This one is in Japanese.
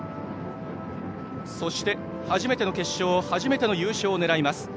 そして初めての決勝初めての優勝を狙います